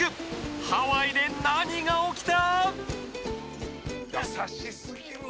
ハワイで何が起きた？